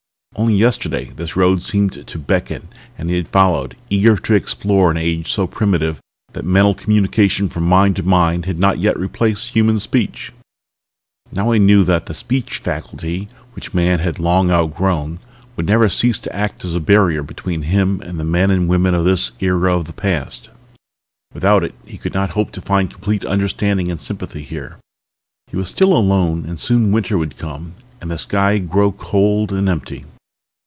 Only yesterday this road had seemed to beckon and he had followed, eager to explore an age so primitive that mental communication from mind to mind had not yet replaced human speech. Now he knew that the speech faculty which mankind had long outgrown would never cease to act as a barrier between himself and the men and women of this era of the past. Without it he could not hope to find complete understanding and sympathy here. He was still alone and soon winter would come and the sky grow cold and empty